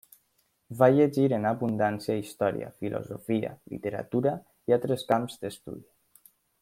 Va llegir en abundància història, filosofia, literatura, i altres camps d'estudi.